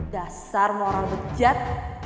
dasar moral bejat